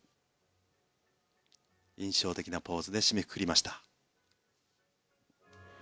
印象的なポーズで締めくくりました。